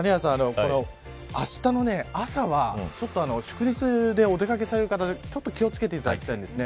あしたの朝は祝日でお出掛けされる方は気を付けていただきたいんです。